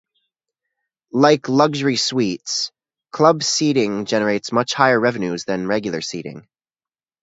Like luxury suites, club seating generates much higher revenues than regular seating.